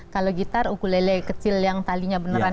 kalau gitar ukulele kecil yang talinya beneran